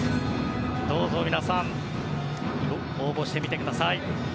どうぞ皆さん応募してみてください。